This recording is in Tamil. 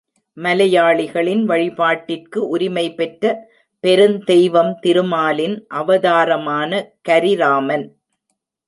மலையாளிகளின் வழிபாட்டிற்கு உரிமை பெற்ற பெருந் தெய்வம் திருமாலின் அவதாரமான கரிராமன்.